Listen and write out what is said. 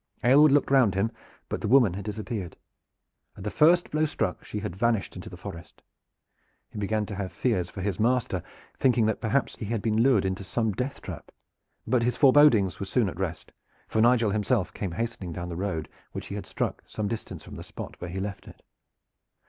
Aylward looked round him, but the woman had disappeared. At the first blow struck she had vanished into the forest. He began to have fears for his master, thinking that he perhaps had been lured into some deathtrap; but his forebodings were soon at rest, for Nigel himself came hastening down the road, which he had struck some distance from the spot where he left it.